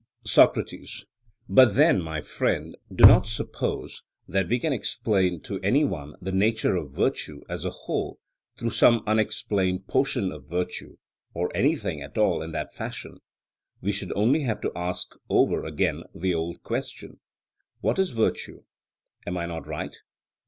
SOCRATES: But then, my friend, do not suppose that we can explain to any one the nature of virtue as a whole through some unexplained portion of virtue, or anything at all in that fashion; we should only have to ask over again the old question, What is virtue? Am I not right?